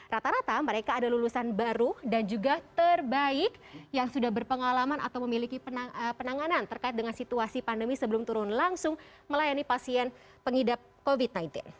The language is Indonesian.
rata rata mereka ada lulusan baru dan juga terbaik yang sudah berpengalaman atau memiliki penanganan terkait dengan situasi pandemi sebelum turun langsung melayani pasien pengidap covid sembilan belas